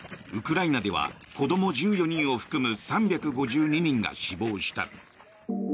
ウクライナでは子ども１４人を含む３５２人が死亡した。